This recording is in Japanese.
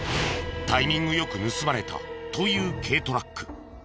タイミング良く盗まれたという軽トラック。